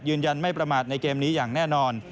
ยืนยันไม่ประมาทในเกมนี้อย่างแน่นอน